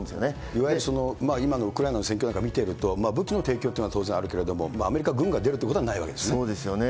いわゆる、今のウクライナの戦況なんか見ていると、武器の提供というのは、当然あるけれども、アメリカは軍が出るということはないわけですよね。